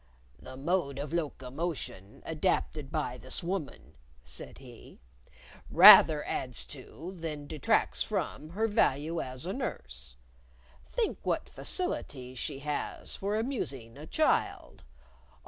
"The mode of locomotion adapted by this woman," said he, "rather adds to, then detracts from, her value as a nurse. Think what facilities she has for amusing a child!